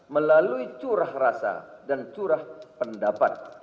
melalui curah rasa dan curah pendapat